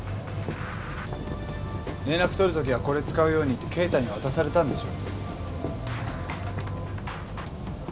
「連絡取るときはこれ使うように」って敬太に渡されたんでしょ？